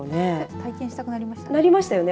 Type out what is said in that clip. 体験したくなりましたよね。